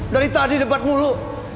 dari tadi debat mulu